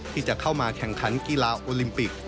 ที่จะเข้ามาแข่งขันกีฬาโอลิมปิก